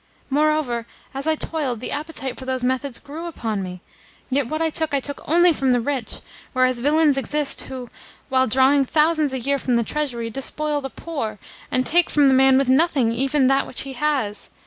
Moreover, as I toiled, the appetite for those methods grew upon me. Yet what I took I took only from the rich; whereas villains exist who, while drawing thousands a year from the Treasury, despoil the poor, and take from the man with nothing even that which he has.